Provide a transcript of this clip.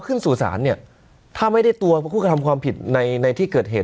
ขึ้นสู่ศาลเนี่ยถ้าไม่ได้ตัวผู้กระทำความผิดในในที่เกิดเหตุ